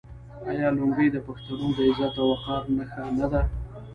آیا لونګۍ د پښتنو د عزت او وقار نښه نه ده؟